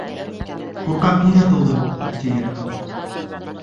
Ҡурҡаҡ ниңә тыуҙым, тиер.